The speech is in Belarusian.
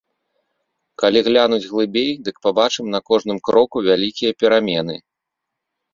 Калі глянуць глыбей, дык пабачым на кожным кроку вялікія перамены.